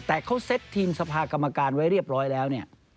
แต่เขาเซ็ตทีมสภากรรมการไว้เรียบร้อยแล้วเนี่ย